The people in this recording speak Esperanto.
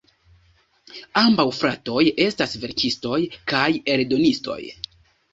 Ambaŭ fratoj estas verkistoj kaj eldonistoj.